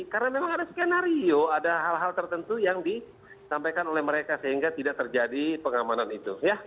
karena memang ada skenario ada hal hal tertentu yang disampaikan oleh mereka sehingga tidak terjadi pengamanan itu